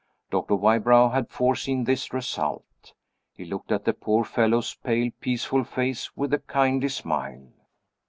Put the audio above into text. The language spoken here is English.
Doctor Wybrow had foreseen this result: he looked at the poor fellow's pale peaceful face with a kindly smile.